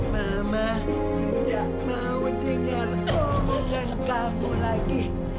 mama tidak mau dengar omongan kamu lagi